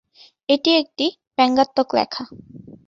এটি একটি ব্যঙ্গাত্মক লেখা।